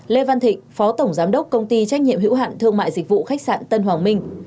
lê văn thịnh phó tổng giám đốc công ty trách nhiệm hữu hạn thương mại dịch vụ khách sạn tân hoàng minh